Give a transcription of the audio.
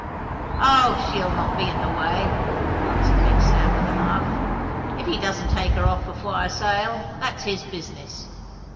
"Oh, she'll not be in the way," answered Big Sam with a laugh. "If he doesn't take her off before I sail, that's his business.